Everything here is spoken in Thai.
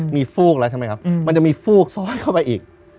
มีฟูกแล้วใช่ไหมครับมันจะมีฟูกซ้อนเข้าไปอีก